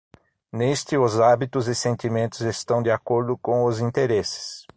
Neste os hábitos e sentimentos estão de acordo com os interesses.